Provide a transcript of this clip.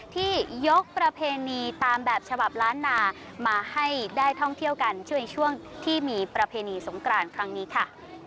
ที่ยกประเพณีตามแบบฉบับล้านนามาให้ได้ท่องเที่ยวกันช่วยในช่วงที่มีประเพณีสงกรานครั้งนี้ค่ะ